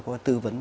có tư vấn